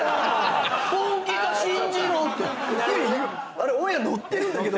あれオンエア乗ってるんだけど。